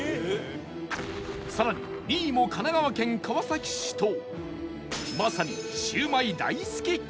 さらに２位も神奈川県川崎市とまさにシュウマイ大好き県